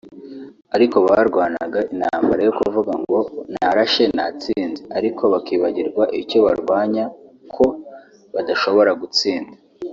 ariko barwanaga intambara yo kuvuga ngo narashe natsinze ariko bakibagirwa icyo barwanya ko badashobora gutsinda